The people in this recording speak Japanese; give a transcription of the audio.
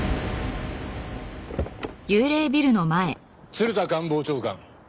鶴田官房長官。